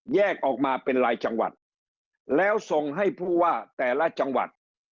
แยกออกมาเป็นรายจังหวัดแล้วส่งให้ผู้ว่าแต่ละจังหวัด